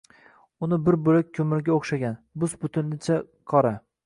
uni bir bo‘lak ko‘mirga o‘xshagan, bus-butunicha qora